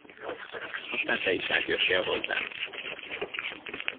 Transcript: Aztán te is átjöttél hozzám.